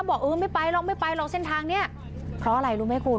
บอกเออไม่ไปหรอกไม่ไปหรอกเส้นทางเนี้ยเพราะอะไรรู้ไหมคุณ